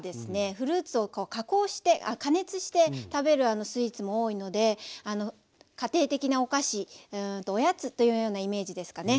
フルーツをこう加熱して食べるスイーツも多いので家庭的なお菓子うんとおやつというようなイメージですかね。